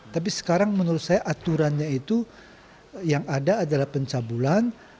tapi sekarang menurut saya aturannya itu yang ada adalah pencabulan